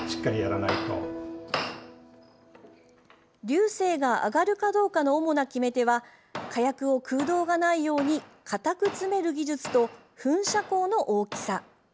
龍勢が上がるかどうかの主な決め手は火薬を空洞がないように固く詰める技術と噴射口の大きさ。